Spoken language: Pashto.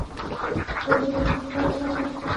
کچالو د ښه خوب سبب کېږي